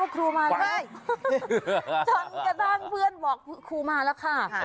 ว่าครูมาแล้วจนกระด้างเพื่อนบอกครูมาแล้วค่ะ